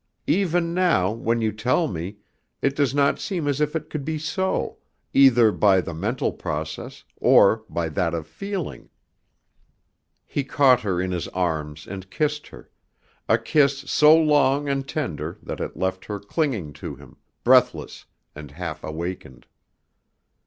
Even now, when you tell me, it does not seem as if it could be so, either by the mental process, or by that of feeling." He caught her in his arms and kissed her, a kiss so long and tender that it left her clinging to him, breathless and half awakened.